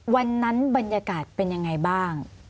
วันนั้นบรรยากาศเป็นยังไงบ้าง